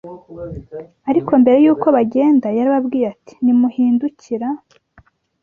Ariko mbere y’uko bagenda yarababwiye ati nimuhindukira